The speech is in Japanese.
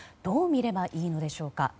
どう見ればいいのでしょうか。